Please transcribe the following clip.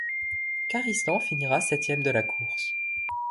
Caristan finira septième de la course.